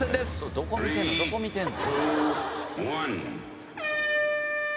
どこ見てんの？